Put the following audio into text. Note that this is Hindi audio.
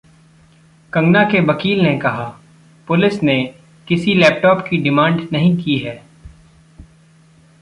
कंगना के वकील ने कहा, पुलिस ने किसी लैपटॉप की डिमांड नहीं की है